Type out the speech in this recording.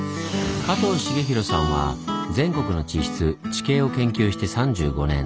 加藤茂弘さんは全国の地質・地形を研究して３５年。